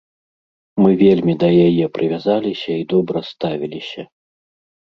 Мы вельмі да яе прывязаліся і добра ставіліся.